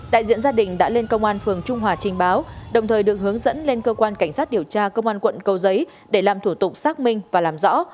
đại diện gia đình đã lên công an phường trung hòa trình báo đồng thời được hướng dẫn lên cơ quan cảnh sát điều tra công an quận cầu giấy để làm thủ tục xác minh và làm rõ